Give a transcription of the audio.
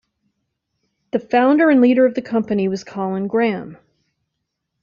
The founder and leader of the company was Colin Graham.